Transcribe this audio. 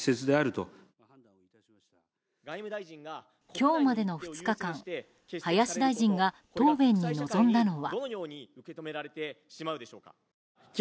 今日までの２日間林大臣が答弁に臨んだのは。